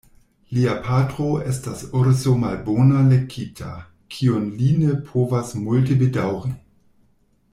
Lia patro estas urso malbone lekita, kiun li ne povas multe bedaŭri.